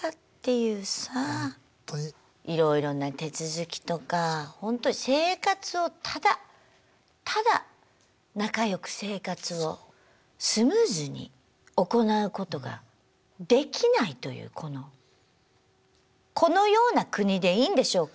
いろいろな手続きとかほんとに生活をただただ仲良く生活をスムーズに行うことができないというこのこのような国でいいんでしょうか？